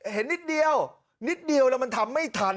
เห็นนิดเดียวนิดเดียวแล้วมันทำไม่ทัน